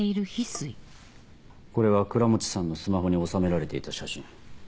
これは倉持さんのスマホに収められていた写真。